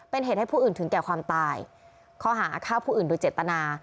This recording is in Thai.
เป็นเหตุให้ผู้อื่นถึงแก่ความตายข้อหาฆ่าผู้อื่นโดยเจตนา